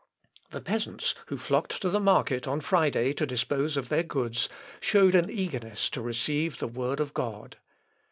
The peasants who flocked to the market on Friday to dispose of their goods, showed an eagerness to receive the Word of God.